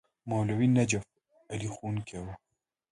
مولوي نجف علي ښوونکی وو.